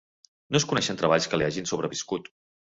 No es coneixen treballs que li hagin sobreviscut.